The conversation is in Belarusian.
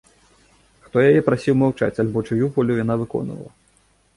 Хто яе прасіў маўчаць альбо чыю волю яна выконвала?